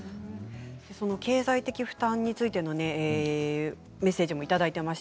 経済的負担についてメッセージもいただいています。